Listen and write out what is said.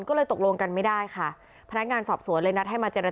ก็เลยตกลงกันไม่ได้ค่ะพนักงานสอบสวนเลยนัดให้มาเจร